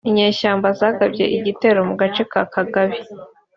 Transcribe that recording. inyeshyamba zagabye igitero mu gace ka Kagabi